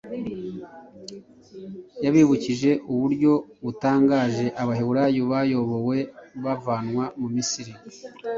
yabibukije uburyo butangaje abaheburayo bayobowe bavanwa mu misiri